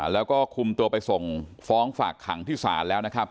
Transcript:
แล้วก็คุมตัวไปส่งฟ้องฝากขังที่ศาลแล้วนะครับ